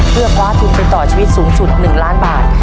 เพื่อคว้าทุนไปต่อชีวิตสูงสุด๑ล้านบาท